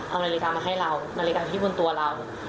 เอานาฬิกามาให้เรานาฬิกามาให้บนตัวเรา